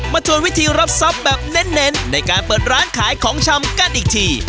ชวนวิธีรับทรัพย์แบบเน้นในการเปิดร้านขายของชำกันอีกที